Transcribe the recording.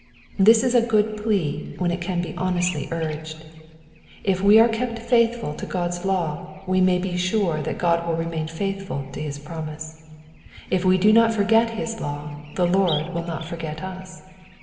This is a good plea when it can be honestly urged. If we are kept faithful to God's law we may be sure that God will remain faithful to his promise. If we do not forget his law the Lord will not forget us.